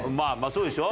そうでしょ？